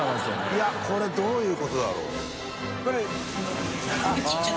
いこれどういうことだろう？